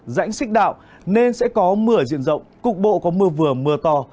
rãnh xích đạo nên sẽ có mưa ở diện rộng cục bộ có mưa vừa mưa to